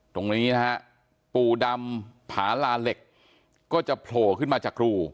ตรงนี้นะฮะปู่ดำผาลาเหล็กก็จะโผล่ขึ้นมาจากรู